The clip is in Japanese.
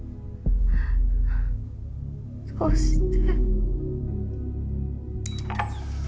どうして。